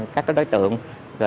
các đối tượng